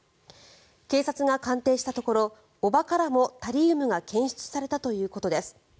警察が鑑定したところ叔母からもタリウムが検出されたということです。